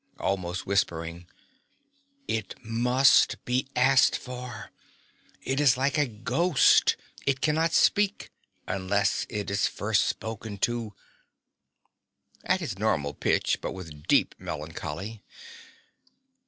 (Almost whispering.) It must be asked for: it is like a ghost: it cannot speak unless it is first spoken to. (At his normal pitch, but with deep melancholy.)